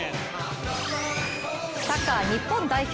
サッカー日本代表